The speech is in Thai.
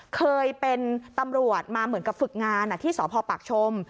เคยเป็นตำรวจมาเหมือนกับฝึกงานที่สพปากชม